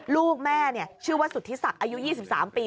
ลูกแม่ชื่อว่าสุธิศักดิ์อายุ๒๓ปี